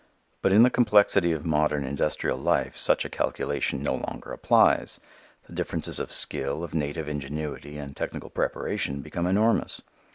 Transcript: But in the complexity of modern industrial life such a calculation no longer applies: the differences of skill, of native ingenuity, and technical preparation become enormous.